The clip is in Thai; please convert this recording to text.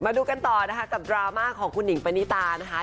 มาดูกันต่อนะคะกับดราม่าของคุณหิงปณิตานะคะ